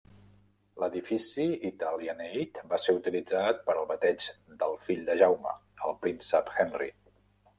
L'edifici Italianate va ser utilitzat per al bateig del fill de Jaume, el príncep Henry.